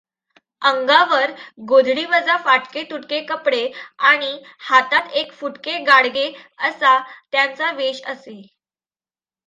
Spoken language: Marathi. अंगावर गोधडीवजा फाटके तुटके कपडे आणि हातात एक फुटके गाडगे असा त्यांचा वेष असे.